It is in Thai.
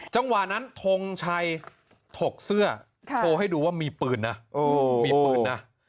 จังหวะนั้นทงชัยถกเสื้อโทรให้ดูว่ามีปืนอ่ะโอ้โหมีปืนอ่ะ